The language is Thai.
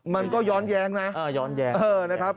มันก็ย้อนแย้งนะอย่างนี้นะครับ